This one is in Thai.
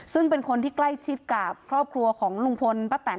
ซึ่งเป็นคนที่ใกล้ชิดกับครอบครัวของลุงพลป้าแตน